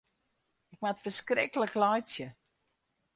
Ik moat ferskriklik laitsje.